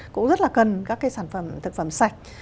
cũng rất là cần các cái sản phẩm thực phẩm sạch